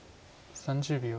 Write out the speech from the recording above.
３０秒。